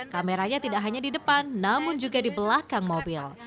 kameranya tidak hanya di depan namun juga di belakang mobil